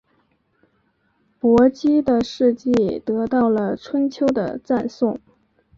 伯姬的事迹得到了春秋的赞颂。